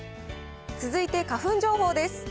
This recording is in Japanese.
続いて花粉情報です。